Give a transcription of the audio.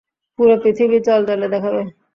পুরো পৃথবী জ্বলজ্বলে দেখাবে।